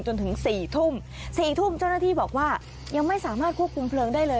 จนถึง๔ทุ่ม๔ทุ่มเจ้าหน้าที่บอกว่ายังไม่สามารถควบคุมเพลิงได้เลย